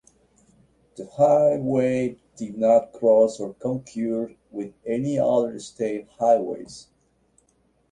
The highway did not cross or concur with any other state highways.